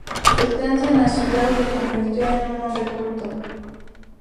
Su estancia en la ciudad le convirtió en un hombre culto.